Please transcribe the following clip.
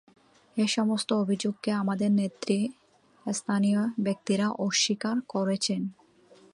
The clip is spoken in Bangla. এসমস্ত অভিযোগ কে তাদের নেতৃস্থানীয় ব্যক্তিরা অস্বীকার করেছেন।